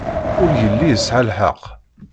Ur yelli yesɛa lḥeqq.